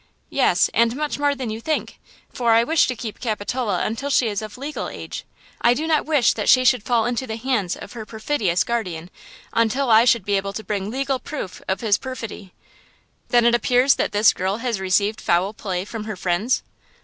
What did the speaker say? "Yes; and much more than you think; for I wish to keep Capitola until she is of legal age. I do not wish that she should fall into the hands of her perfidious guardian until I shall be able to bring legal proof of his perfidy." "Then it appears that this girl has received foul play from her friends?"